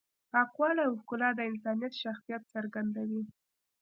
پاکوالی او ښکلا د انسان شخصیت څرګندوي.